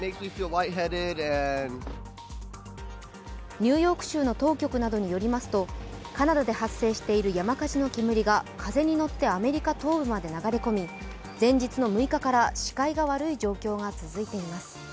ニューヨーク州の当局などによりますとカナダで発生している山火事の煙が風に乗ってアメリカ東部まで流れ込み、前日の６日から視界が悪い状況が続いています。